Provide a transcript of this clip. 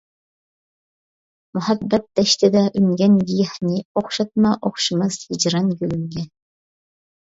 مۇھەببەت دەشتىدە ئۈنگەن گىياھنى، ئوخشاتما، ئوخشىماس ھىجران گۈلۈمگە.